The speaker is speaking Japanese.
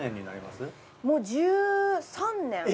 もう１３年。